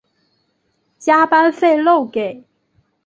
加班费漏给